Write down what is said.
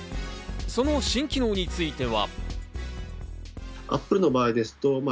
その新機能については。